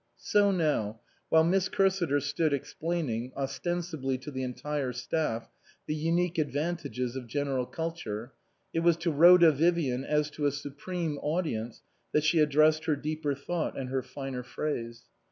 So now, while Miss Cursiter stood explaining, ostensibly to the entire staff, the unique ad vantages of General Culture, it was to Rhoda Vivian as to a supreme audience that she ad dressed her deeper thought and her finer phrase.